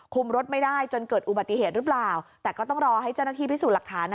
รถไม่ได้จนเกิดอุบัติเหตุหรือเปล่าแต่ก็ต้องรอให้เจ้าหน้าที่พิสูจน์หลักฐาน